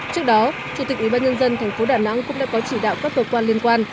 trước đó chủ tịch ubnd thành phố đà nẵng cũng đã có chỉ đạo các cơ quan liên quan